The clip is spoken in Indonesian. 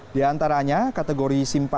di antaranya kategori simpul